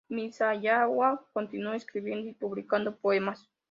Miyazawa continuó escribiendo y publicando poemas.